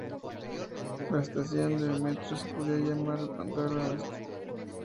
La estación de metro se podría llamar Badalona Est.